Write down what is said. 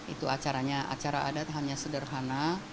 itu acaranya acara adat hanya sederhana